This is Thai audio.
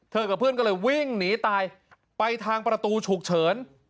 กับเพื่อนก็เลยวิ่งหนีตายไปทางประตูฉุกเฉิน